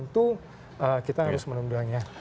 itu kita harus menundangnya